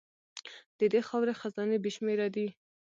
د دې خاورې خزانې بې شمېره دي.